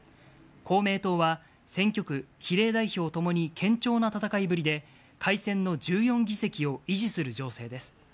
公明党は選挙区・比例代表ともに堅調な戦いぶりで、改選の１４議席を維持する情勢です。